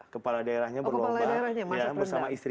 kepala daerahnya berlomba bersama istri